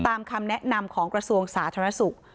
คำแนะนำของกระทรวงสาธารณสุข